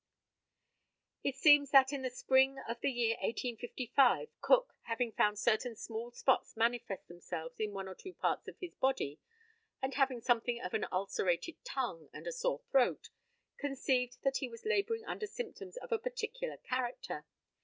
It seems that, in the spring of the year 1855, Cook, having found certain small spots manifest themselves in one or two parts of his body, and having something of an ulcerated tongue and a sore throat, conceived that he was labouring under symptoms of a particular character.